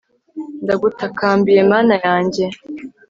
ndagutakambiye, mana yanjye